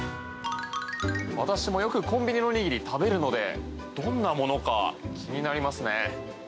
私もよくコンビニのおにぎり食べるのでどんなものか気になりますね。